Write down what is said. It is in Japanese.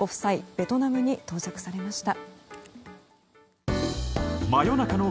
ベトナムに到着されました。